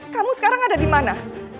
kamu sekarang ada dimana